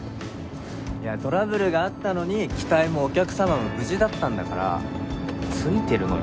いやトラブルがあったのに機体もお客様も無事だったんだからツイてるのよ